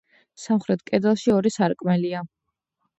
სამხრეთ კედელში ორი სარკმელია.